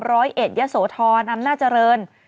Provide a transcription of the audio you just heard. ร้อยเอ็ดยะโสธรอำนาจเจริญ